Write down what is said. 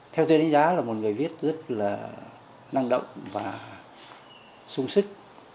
theo tôi đánh giá là một người viết rất là năng động và sung sức